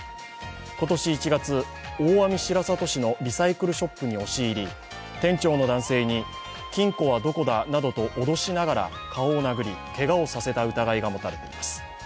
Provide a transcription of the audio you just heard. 今年１月、大網白里市のリサイクルショップに押し入り、店長の男性に、金庫はどこだなどと脅しながら顔を殴り、けがをさせた疑いが持たれています。